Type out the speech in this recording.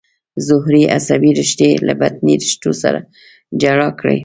ظهري عصبي رشتې له بطني رشتو سره جلا کړئ.